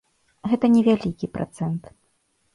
Гэта не вялікі працэнт.